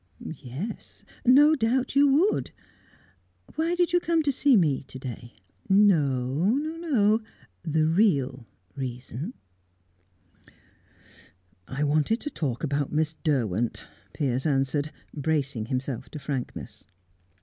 "Yes no doubt you would. Why did you come to see me to day? No, no, no! The real reason. "I wanted to talk about Miss Derwent," Piers answered, bracing himself to frankness.